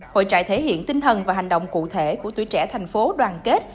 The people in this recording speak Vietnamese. hội trại thể hiện tinh thần và hành động cụ thể của tuổi trẻ thành phố đoàn kết